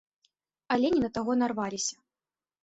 Але не на таго нарваліся.